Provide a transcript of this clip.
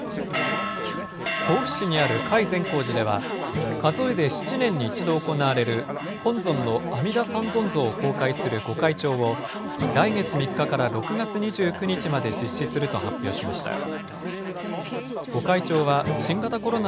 甲府市にある甲斐善光寺では、数えで７年に１度行われる、本尊の阿弥陀三尊像を公開する御開帳を、来月３日から６月２９日まで実施すると発表しました。